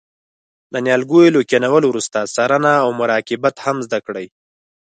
د نیالګیو له کینولو وروسته څارنه او مراقبت هم زده کړئ.